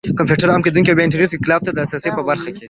کمپيوټر عام کېدنې او بيا د انټرنټ انقلاب ته د لاسرسي په برخه کې